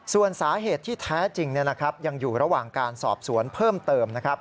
ส่วนสาเหตุที่แท้จริงยังอยู่ระหว่างการสอบสวนเพิ่มเติมนะครับ